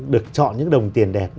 được chọn những đồng tiền đẹp